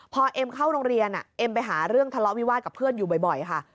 พอเอ็มเข้าโรงเรียนเอ็มไปหาเรื่องทะเลาะวิวาสกับเพื่อนอยู่บ่อยค่ะ